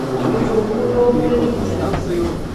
Yovogbulowo pleng bia.